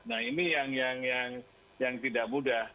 nah ini yang tidak mudah